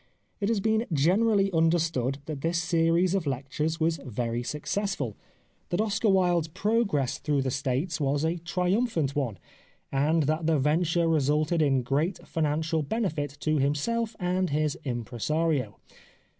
It has been generally understood that this series of lectures was very successful, that Oscar Wilde's progress through the States 200 The Life of Oscar Wilde was a triumphant one, and that the venture re sulted in great financial benefit to himself and his impresario